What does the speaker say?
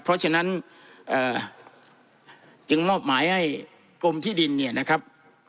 เพราะฉะนั้นจึงมอบหมายให้กรมที่ดินเนี่ยนะครับ